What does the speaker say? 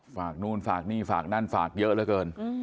นู่นฝากนี่ฝากนั่นฝากเยอะเหลือเกิน